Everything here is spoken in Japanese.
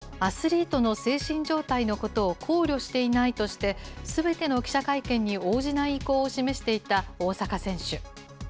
試合の前、アスリートの精神状態のことを考慮していないとして、すべての記者会見に応じない意向を示していた大坂選手。